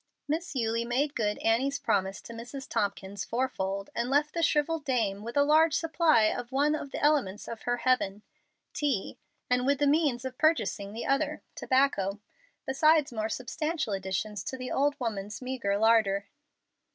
Miss Eulie made good Annie's promises to Mrs. Tompkins fourfold, and left the shrivelled dame with a large supply of one of the elements of her heaven tea, and with the means of purchasing the other tobacco, besides more substantial additions to the old woman's meagre larder.